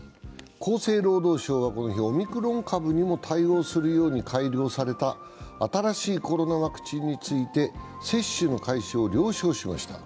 厚生労働省はこの日、オミクロン株にも対応するように改良された新しいコロナワクチンについて接種の開始を了承しました。